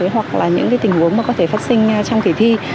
hoặc là những tình huống mà có thể phát sinh trong kỳ thi